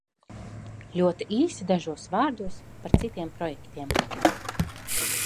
Ļoti īsi dažos vārdos par citiem projektiem.